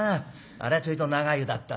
あれはちょいと長湯だったね。